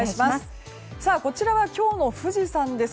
こちらは今日の富士山です。